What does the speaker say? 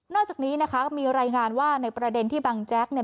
จากนี้นะคะมีรายงานว่าในประเด็นที่บังแจ๊กเนี่ย